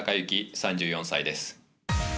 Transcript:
３４歳です。